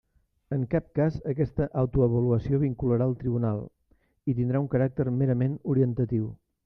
En cap cas aquesta autoavaluació vincularà el tribunal, i tindrà un caràcter merament orientatiu.